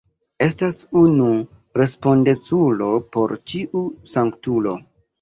Estas unu respondeculo por ĉiu sanktulo.